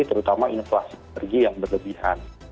terutama inflasi energi yang berlebihan